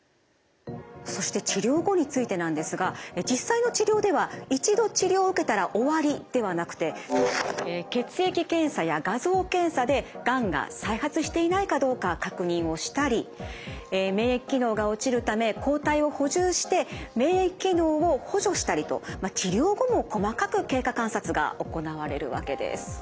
そして治療後についてなんですが実際の治療では一度治療を受けたら終わりではなくて血液検査や画像検査でがんが再発していないかどうか確認をしたり免疫機能が落ちるため抗体を補充して免疫機能を補助したりと治療後も細かく経過観察が行われるわけです。